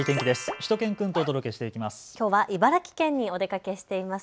しゅと犬くんとお届けしていきます。